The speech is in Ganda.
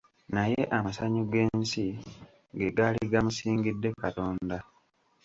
Naye amasanyu g'ensi ge gaali gamusingidde katonda.